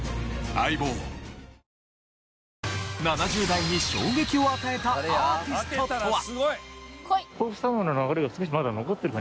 ７０代に衝撃を与えたアーティストとは。